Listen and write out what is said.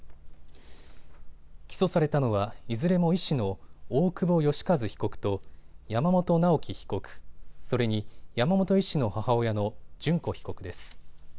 起訴されたのは、いずれも医師の大久保愉一被告と山本直樹被告、それに山本医師の母親の淳子被告です。